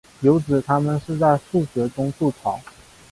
有指它们是在树穴中筑巢。